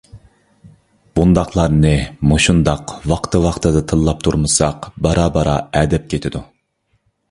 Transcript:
بۇنداقلارنى مۇشۇنداق ۋاقتى-ۋاقتىدا تىللاپ تۇرمىساق، بارا-بارا ئەدەپ كېتىدۇ.